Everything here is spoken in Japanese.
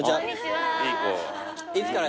いつから？